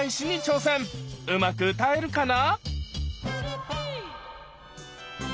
うまく歌えるかな？